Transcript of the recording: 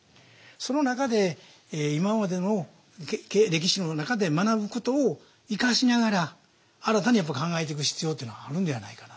その中で今までの歴史の中で学ぶことを生かしながら新たに考えていく必要というのはあるんではないかな。